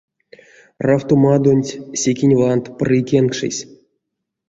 Равтомадонть, секень вант, пры кенкшесь.